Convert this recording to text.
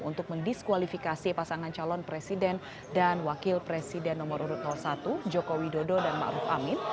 untuk mendiskualifikasi pasangan calon presiden dan wakil presiden nomor satu joko widodo dan ma'ruf amin